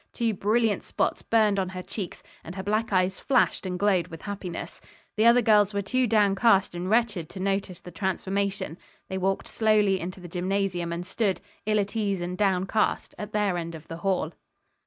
Two brilliant spots burned on her cheeks, and her black eyes flashed and glowed with happiness. The other girls were too downcast and wretched to notice the transformation. They walked slowly into the gymnasium and stood, ill at ease and downcast, at their end of the hall.